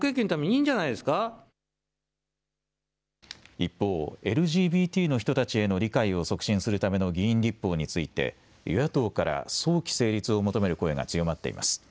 一方、ＬＧＢＴの人たちへの理解を促進するための議員立法について与野党から早期成立を求める声が強まっています。